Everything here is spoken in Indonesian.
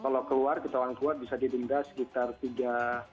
kalau keluar ketahuan keluar bisa didenda sekitar tiga